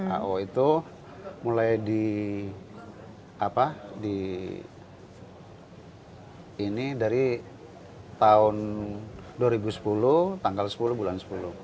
ao itu mulai di ini dari tahun dua ribu sepuluh tanggal sepuluh bulan sepuluh